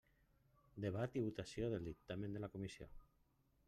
Debat i votació del dictamen de la comissió.